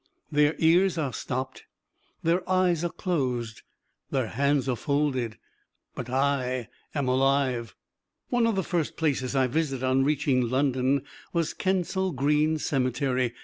Their ears are stopped, their eyes are closed, their hands are folded but I am alive. One of the first places I visited on reaching London was Kensal Green Cemetery.